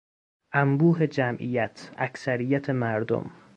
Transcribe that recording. انبوه جمعیت، اکثریت مردم